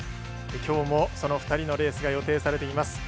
きょうも、その２人のレースが予定されています。